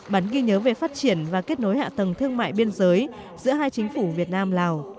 bản ghi nhớ về phát triển và kết nối hạ tầng thương mại biên giới giữa hai chính phủ việt nam lào